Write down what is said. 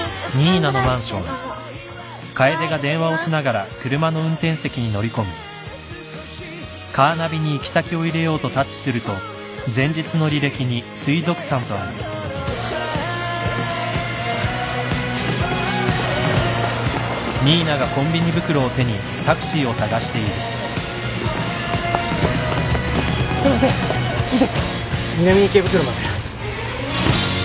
南池袋まで。